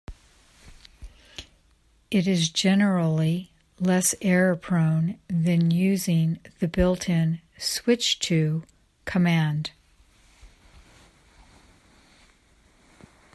It is generally less error-prone than using the built-in "switch to" command.